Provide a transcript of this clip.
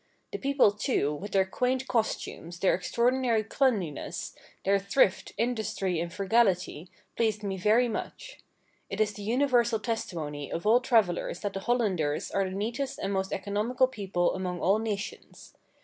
The people, too, with their quaint costumes, their extraordinary cleanliness, their thrift, industry and frugality, pleased me very much. It is the universal testimony of all travellers that the Hollanders are the neatest and most economical people among all nations.